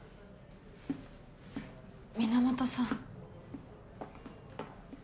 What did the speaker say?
源さん。